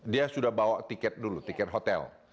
dia sudah bawa tiket dulu tiket hotel